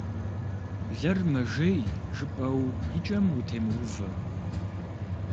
Блэр мэжей жыпӏэу и кӏэм утемыувэ.